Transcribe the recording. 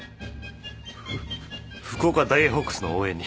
ふ福岡ダイエーホークスの応援に。